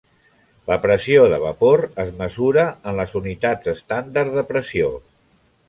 La pressió de vapor es mesura en les unitats estàndard de pressió.